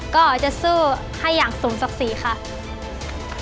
ก็จะสู้ให้อย่างสมศักดิ์ศรีค่ะ